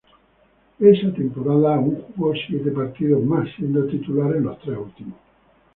Esa temporada aun jugó siete partidos más, siendo titular en los tres últimos.